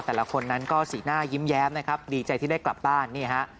แต่ละคนนั้นก็สีหน้ายิ้มแย้มนะครับดีใจที่ได้กลับบ้านนี่ฮะ